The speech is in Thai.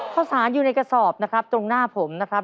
ข้าวสารอยู่ในกระสอบนะครับตรงหน้าผมนะครับ